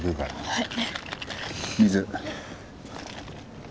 はい。